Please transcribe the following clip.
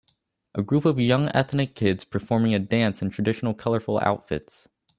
A group of Young ethnic kids performing a dance in traditional colorful outfits